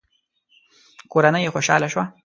کورنۍ يې خوشاله شوه.